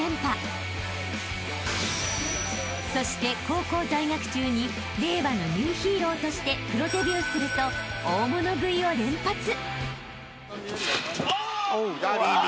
［そして高校在学中に令和のニューヒーローとしてプロデビューすると大物食いを連発］